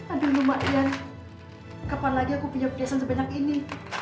aduh lumayan kapan lagi aku punya perhiasan sebanyak ini